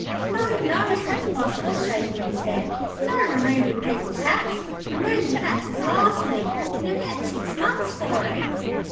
'No, no,' said the Possum, shaking his head. 'No removing people's hats. Removing hats is larceny, and you'll get six months for it.'